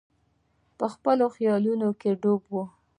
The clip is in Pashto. په خپلو خیالونو کې ډوب وو.